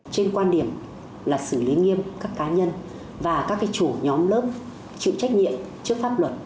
trên quan điểm là xử lý nghiêm các cá nhân và các chủ nhóm lớp chịu trách nhiệm trước pháp luật